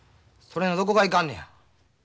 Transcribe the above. それのどこがいかんのや。